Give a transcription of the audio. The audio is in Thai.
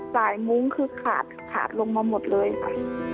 สายมุ้งคือขาดลงมาหมดเลยค่ะ